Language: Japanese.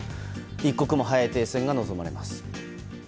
一刻も早い停戦が望まれます。